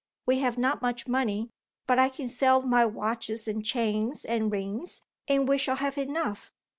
We have not much money, but I can sell my watches and chains and rings, and we shall have enough.